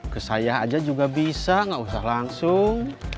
ke saya aja juga bisa nggak usah langsung